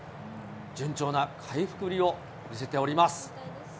順調な回復ぶりを見せております。